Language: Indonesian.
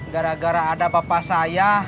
gara gara ada bapak saya